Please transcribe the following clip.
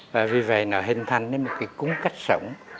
vì vậy nó hình thành một cái cúng cách sống